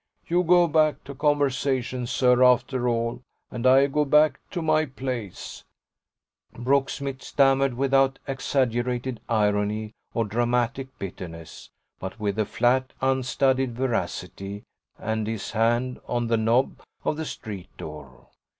You go back to conversation, sir, after all, and I go back to my place," Brooksmith stammered, without exaggerated irony or dramatic bitterness, but with a flat unstudied veracity and his hand on the knob of the street door.